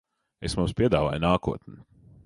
Es mums piedāvāju nākotni.